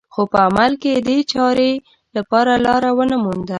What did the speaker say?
خو په عمل کې دې چارې لپاره لاره ونه مونده